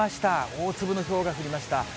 大粒のひょうが降りました。